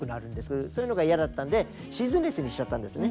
そういうのが嫌だったんでシーズンレスにしちゃったんですね。